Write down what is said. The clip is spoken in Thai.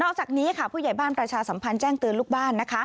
จากนี้ค่ะผู้ใหญ่บ้านประชาสัมพันธ์แจ้งเตือนลูกบ้าน